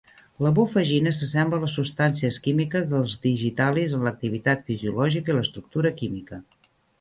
La bufagina s'assembla a les substàncies químiques del digitalis en l'activitat fisiològica i l'estructura química.